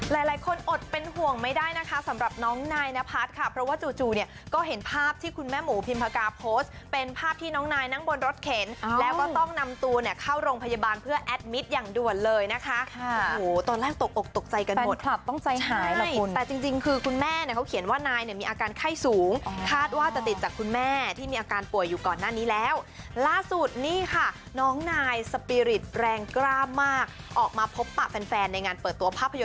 หลายคนอดเป็นห่วงไม่ได้นะคะสำหรับน้องนายนภัทรค่ะเพราะว่าจู่เนี่ยก็เห็นภาพที่คุณแม่หมูพิมพากรโพสต์เป็นภาพที่น้องนายนั่งบนรถเข็นแล้วก็ต้องนำตัวเนี่ยเข้าโรงพยาบาลเพื่อแอดมิตอย่างด่วนเลยนะคะโอ้โหตอนแรกตก